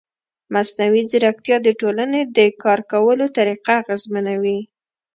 مصنوعي ځیرکتیا د ټولنې د کار کولو طریقه اغېزمنوي.